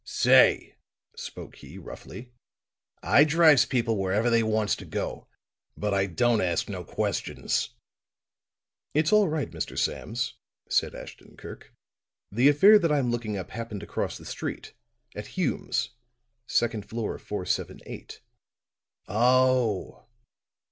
"Say," spoke he, roughly. "I drives people wherever they wants to go; but I don't ask no questions." "It's all right, Mr. Sams," said Ashton Kirk. "The affair that I'm looking up happened across the street at Hume's second floor of 478." "Oh!"